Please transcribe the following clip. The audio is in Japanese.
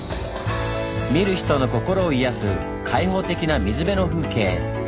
見る人の心を癒やす開放的な水辺の風景。